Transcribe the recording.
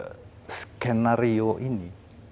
disuguhkan dengan skenario ini